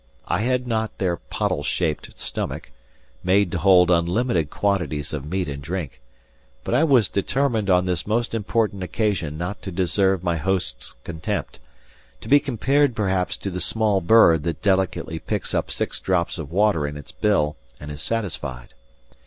I had not their pottle shaped stomach, made to hold unlimited quantities of meat and drink; but I was determined on this most important occasion not to deserve my host's contempt to be compared, perhaps, to the small bird that delicately picks up six drops of water in its bill and is satisfied.